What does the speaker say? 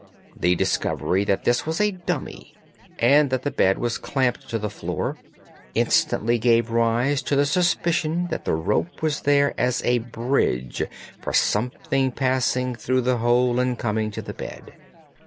The discovery that this was a dummy, and that the bed was clamped to the floor, instantly gave rise to the suspicion that the rope was there as a bridge for something passing through the hole and coming to the bed.